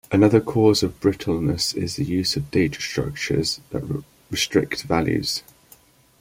Another cause of brittleness is the use of data structures that restrict values.